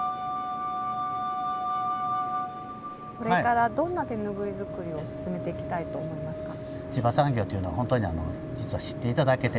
これからどんな手ぬぐい作りを進めていきたいと思いますか？